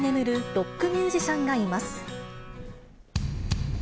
ロックミュージシャンがいます。